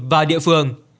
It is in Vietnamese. và địa phương